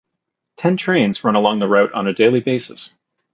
Ten trains run along the route on a daily basis.